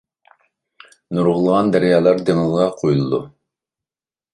نۇرغۇنلىغان دەريالار دېڭىزغا قۇيۇلىدۇ.